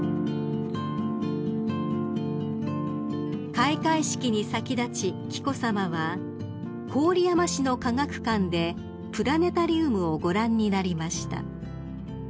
［開会式に先立ち紀子さまは郡山市の科学館でプラネタリウムをご覧になりました］